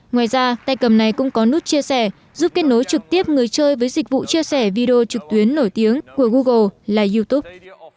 ngoài ra tay cầm này cũng có nút chia sẻ giúp kết nối trực tiếp người chơi với dịch vụ chia sẻ video trực tuyến nổi tiếng của google là youtube